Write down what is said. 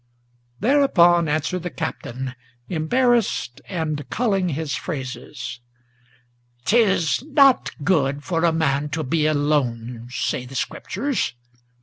Thereupon answered the Captain, embarrassed, and culling his phrases: "'T is not good for a man to be alone, say the Scriptures.